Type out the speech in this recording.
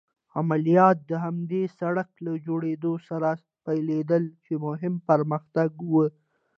عملیات د همدې سړک له جوړېدو سره پيلېدل چې مهم پرمختګ و.